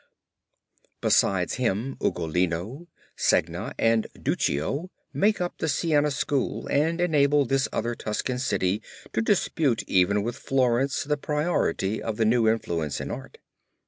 Besides him Ugolino, Segna and Duccio make up the Siena school and enable this other Tuscan city to dispute even with Florence the priority of the new influence in art.